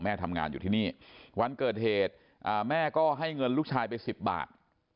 ทำงานอยู่ที่นี่วันเกิดเหตุแม่ก็ให้เงินลูกชายไป๑๐บาท